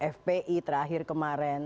fpi terakhir kemarin